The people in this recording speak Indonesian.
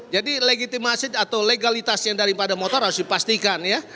legitimasi atau legalitasnya daripada motor harus dipastikan ya